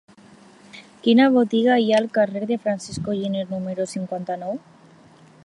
Quina botiga hi ha al carrer de Francisco Giner número cinquanta-nou?